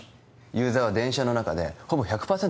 ユーザーは電車の中でほぼ１００％